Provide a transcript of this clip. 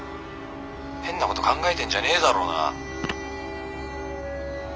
変なこと考えてんじゃねえだろうな？